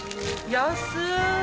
安い！